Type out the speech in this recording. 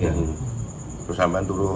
iya terus sampai turun